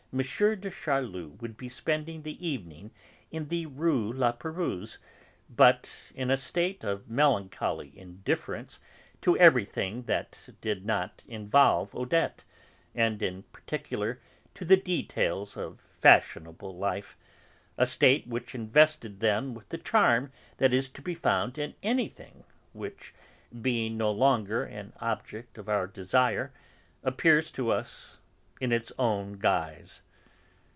de Charlus would be spending the evening in the Rue La Pérouse, but in a state of melancholy indifference to everything that did not involve Odette, and in particular to the details of fashionable life, a state which invested them with the charm that is to be found in anything which, being no longer an object of our desire, appears to us in its own guise.